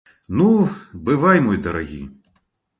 Ну, бывай мой дарагі!